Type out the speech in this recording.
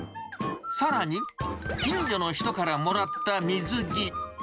さらに、近所の人からもらった水着。